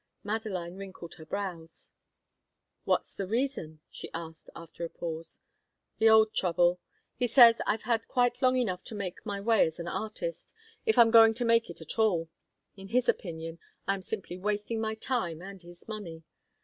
Madeline wrinkled her brows. "What's the reason?" she asked, after a pause. "The old trouble. He says I've had quite long enough to make my way as an artist, if I'm going to make it at all. In his opinion, I am simply wasting my time and his money.